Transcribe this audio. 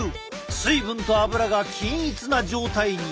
水分と油が均一な状態に。